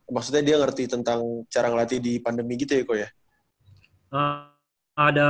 maksudnya dia ngerti tentang cara ngelatih di pandemi gitu ya eko ya